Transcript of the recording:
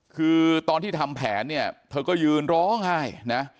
คือตอนที่ทำแผนเนี่ยเธอก็ยืนร้องไห้นะ